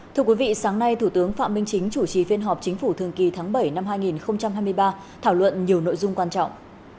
thưa quý vị sáng nay thủ tướng phạm minh chính chủ trì phiên họp chính phủ thường kỳ tháng bảy năm hai nghìn hai mươi ba thảo luận nhiều nội dung quan trọng